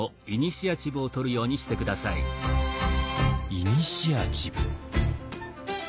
イニシアチブ。